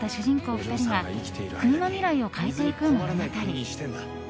２人が国の未来を変えていく物語。